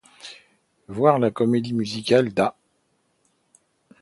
Voir la comédie musicale d'A.